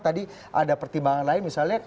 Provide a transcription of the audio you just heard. tadi ada pertimbangan lain misalnya